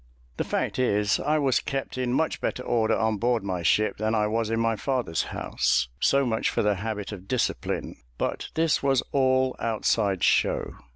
The fact is, I was kept in much better order on board my ship than I was in my father's house so much for the habit of discipline; but this was all outside show.